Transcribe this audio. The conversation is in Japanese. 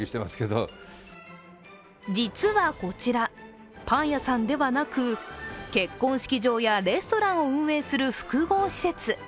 実はこちら、パン屋さんではなく結婚式場やレストランを運営する複合施設。